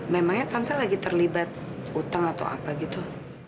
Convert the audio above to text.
memangnya tante lagi terlibat utang atau apa gitu